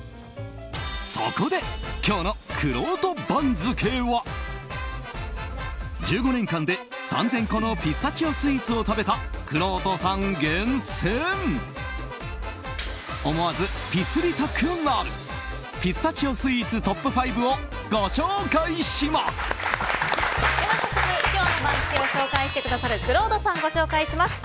そこで今日のくろうと番付は１５年間で３０００個のピスタチオスイーツを食べたくろうとさん厳選思わずピスりたくなるピスタチオスイーツトップ５をでは今日の番付を紹介してくださるくろうとさんご紹介します。